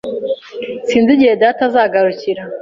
Sinzi igihe data azagarukira.